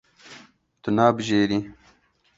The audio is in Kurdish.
Tu nabijêrî.